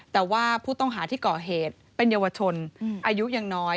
แต่ว่าผู้ต้องหาที่ก่อเหตุเป็นเยาวชนอายุยังน้อย